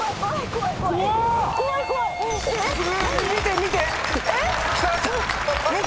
見て見て！